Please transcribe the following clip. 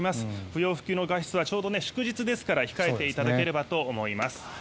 不要不急の外出はちょうど祝日ですから控えていただければと思います。